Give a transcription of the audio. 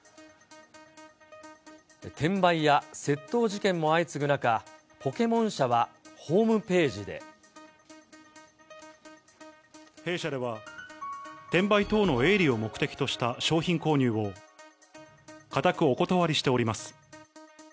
転売や窃盗事件も相次ぐ中、弊社では、転売等の営利を目的とした商品購入を固くお断りしております。